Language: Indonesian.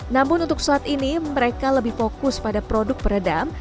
namun untuk saat ini mereka lebih fokus pada produk peredam